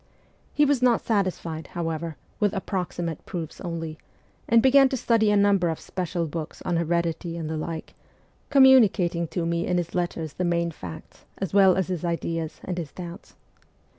He was not satisfied, however, with approximate proofs only, and began to study a number of special books on heredity and the like, communicating to me in his letters the main facts, as well as his ideas and his doubts.